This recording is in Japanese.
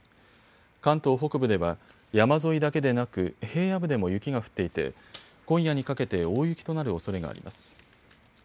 関東北部では山沿いだけでなく平野部でも雪が降っていて今夜にかけて大雪となるおそれがあります。